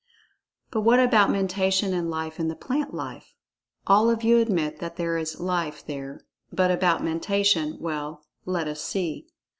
But what about Mentation and Life in the plant life? All of you admit that there is "Life" there—but about Mentation, well, let us see!